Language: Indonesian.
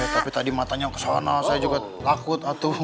tapi tadi matanya kesana saya juga takut